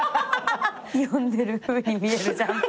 「読んでるふうに見えるじゃん」